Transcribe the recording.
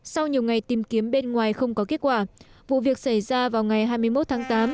sau nhiều ngày tìm kiếm bên ngoài không có kết quả vụ việc xảy ra vào ngày hai mươi một tháng tám